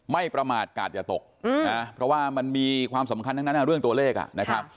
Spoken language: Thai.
ไม่ประมาทกาศอย่าตกนะเพราะว่ามันมีความสำคัญทั้งนั้นเรื่องตัวเลขนะครับ